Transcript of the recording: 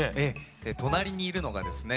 隣にいるのがですね